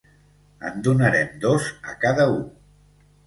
En donarem dos a cada u.